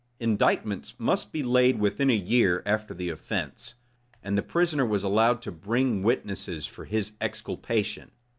Indictments must be laid within a year after the offence, and the prisoner was allowed to bring witnesses for his exculpation.